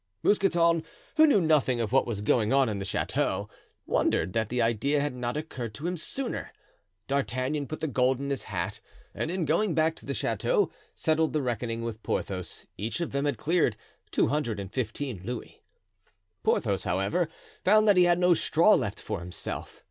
Mousqueton, who knew nothing of what was going on in the chateau, wondered that the idea had not occurred to him sooner. D'Artagnan put the gold in his hat, and in going back to the chateau settled the reckoning with Porthos, each of them had cleared two hundred and fifteen louis. Porthos, however, found that he had no straw left for himself.